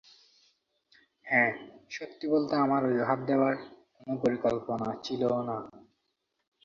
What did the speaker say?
হে, সত্যি বলতে আমার অজুহাত দেয়ার কোনো পরিকল্পনা ছিলোও না।